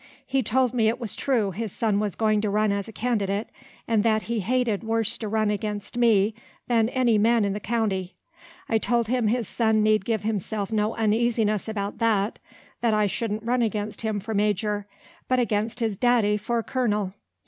He told me it was true his son was going to run as a candidate, and that he hated worse to run against me than any man in the county. I told him his son need give himself no uneasiness about that; that I shouldn't run against him for major, but against his daddy for colonel.